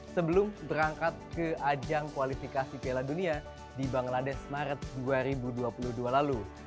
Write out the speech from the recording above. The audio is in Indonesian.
sebelum berangkat ke ajang kualifikasi piala dunia di bangladesh maret dua ribu dua puluh dua lalu